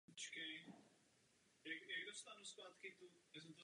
Během každé z prvních třech sezón byla nominována na zisk ceny Emmy.